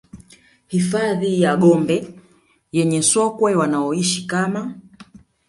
Hifadhi ya Gombe yenye sokwe wanaoishi kama